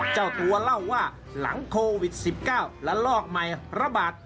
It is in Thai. เจ้าตัวเล่าว่าหลังโควิด๑๙และลอกใหม่ระบาด